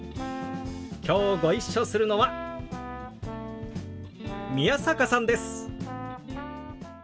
きょうご一緒するのは宮坂さんです。